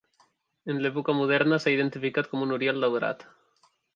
En l'època moderna, s'ha identificat com un oriol daurat.